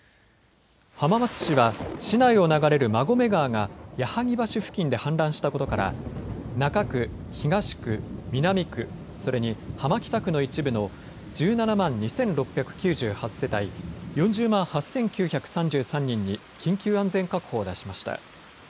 浜松市は市内を流れる馬込川が矢矧橋付近で氾濫したことから中区、東区、南区、それに浜北区の一部の１７万２６９８世帯、４０万８９３３人に緊急安全確保を出しました。